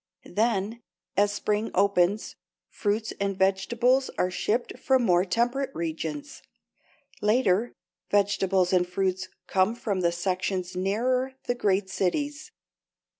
Then, as spring opens, fruits and vegetables are shipped from more temperate regions. Later vegetables and fruits come from the sections nearer the great cities.